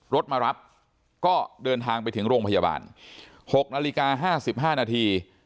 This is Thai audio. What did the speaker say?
รถมารับก็เดินทางไปถึงโรงพยาบาลหกนาฬิกาห้าสิบห้านาที